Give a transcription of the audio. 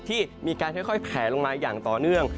ที่มีการค่อยแผลลงมาอย่างต่อเนื่อง